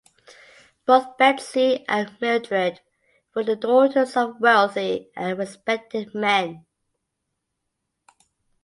Both Betsy and Mildred were the daughters of wealthy and respected men.